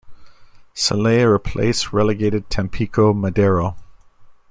Celaya replace relegated Tampico Madero.